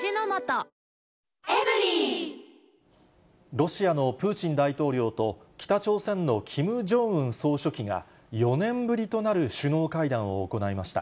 ロシアのプーチン大統領と北朝鮮のキム・ジョンウン総書記が、４年ぶりとなる首脳会談を行いました。